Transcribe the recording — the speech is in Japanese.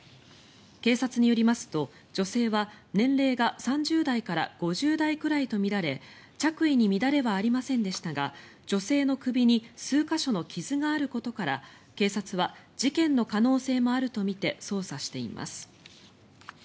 警察によりますと女性は年齢が３０代から５０代くらいとみられ着衣に乱れはありませんでしたが女性の首に数か所の傷があることから警察は事件の可能性もあるとみて捜査しています。